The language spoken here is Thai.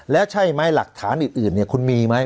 แล้วใช่ไหมหลักฐานอื่นคุณมีไหม